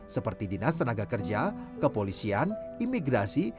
seperti dinas tenaga kerja kepolisian imigrasi